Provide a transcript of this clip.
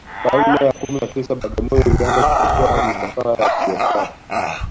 karne ya kumi na tisa bagamoyo ilianza kupokea misafara ya kibiashara